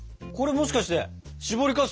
もしかしてしぼりかす？